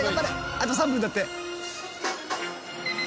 あと３分だって。